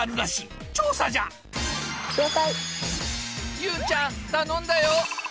ゆうちゃん頼んだよ！